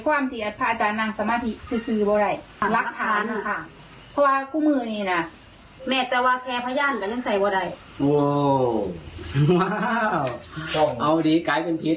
ว้าวเอาทีไกลเป็นพิษ